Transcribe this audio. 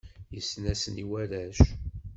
Yessen-asen i warrac.